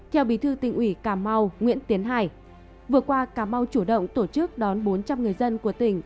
theo bí thư tỉnh ủy cà mau nguyễn tiến hải vừa qua cà mau chủ động tổ chức đón bốn trăm linh người dân của tỉnh